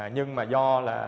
nhưng mà do